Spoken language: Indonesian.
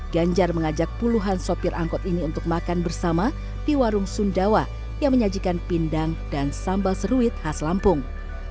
ganjar mengajak puluhan sopir angkot ini untuk makan bersama di warung sundawa yang menyajikan pindang dan sambal seruit khas lampung